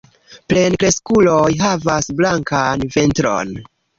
Plenkreskuloj havas blankan ventron.